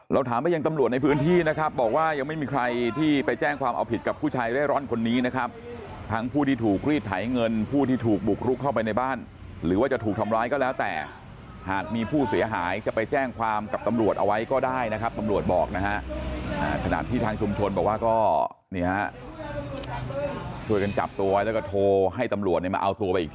แล้วถามว่ายังตำรวจในพื้นที่นะครับบอกว่ายังไม่มีใครที่ไปแจ้งความเอาผิดกับผู้ชายแร่ร้อนคนนี้นะครับทั้งผู้ที่ถูกรีดไถเงินผู้ที่ถูกบุกรุกเข้าไปในบ้านหรือว่าจะถูกทำร้ายก็แล้วแต่หากมีผู้เสียหายจะไปแจ้งความกับตำรวจเอาไว้ก็ได้นะครับตำรวจบอกนะฮะอ่ะขนาดที่ทางชมชนบอกว่าก็นี่ฮะ